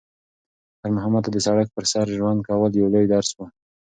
خیر محمد ته د سړک پر سر ژوند کول یو لوی درس و.